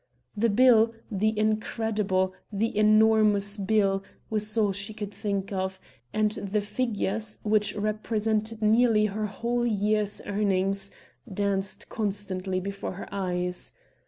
The bill the incredible, the enormous bill was all she could think of, and the figures, which represented nearly her whole year's earnings, danced constantly before her eyes.